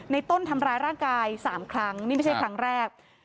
ต้นทำร้ายร่างกาย๓ครั้งนี่ไม่ใช่ครั้งแรก